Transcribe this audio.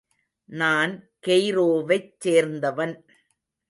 நான் கெய்ரோவைச் சேர்ந்தவன்.